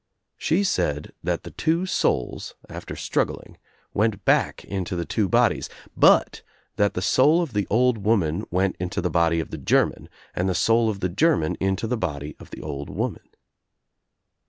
She said that the two souls, after struggling, went back, into the two bodies, but that the soul of the old woman went into the body of the Germaq and the soul of the German into the body of the old woman.